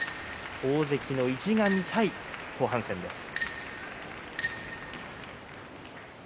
大関の意地が見たい後半戦です。